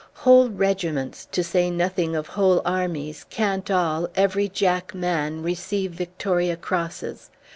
Whole regiments, to say nothing of whole armies, can't all, every jack man, receive Victoria Crosses.